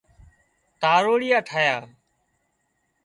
تاروڙيئان ٺاهيان